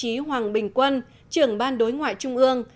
đồng chí hoàng bình quân trưởng ban đối ngoại trung ương